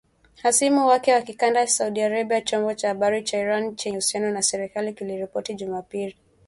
hasimu wake wa kikanda Saudi Arabia chombo cha habari cha Iran chenye uhusiano na serikali kiliripoti Jumapili